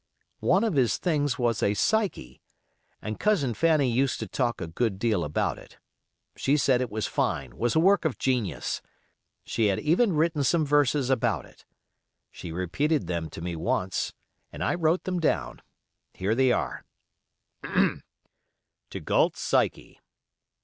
One of his things was a Psyche, and Cousin Fanny used to talk a good deal about it; she said it was fine, was a work of genius. She had even written some verses about it. She repeated them to me once, and I wrote them down. Here they are: To Galt's Psyche.